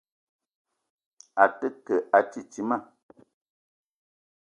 A te ke a titima.